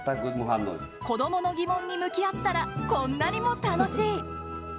子どもの疑問に向き合ったらこんなにも楽しい。